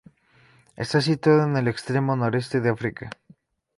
Está situado en el extremo noreste de África.